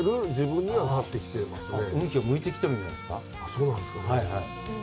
あっそうなんですかね。